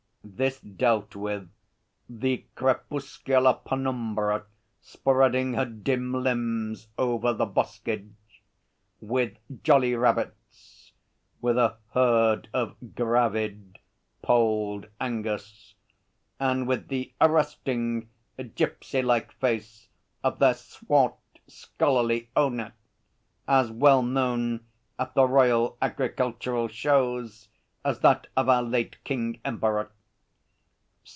This dealt with 'the crepuscular penumbra spreading her dim limbs over the boskage'; with 'jolly rabbits'; with a herd of 'gravid polled Angus'; and with the 'arresting, gipsy like face of their swart, scholarly owner as well known at the Royal Agricultural Shows as that of our late King Emperor.'